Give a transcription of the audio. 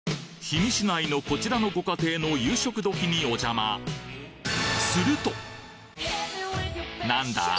氷見市内のこちらのご家庭の夕食時におじゃまなんだ！？